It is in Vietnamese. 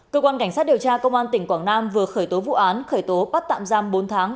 cơ quan cảnh sát điều tra công an tỉnh quảng nam vừa khởi tố vụ án khởi tố bắt tạm giam bốn tháng